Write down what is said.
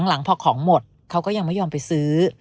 หลังพอของหมดเขาก็ยังไม่ยอมไปซื้อ